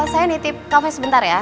saya nitip kafe sebentar ya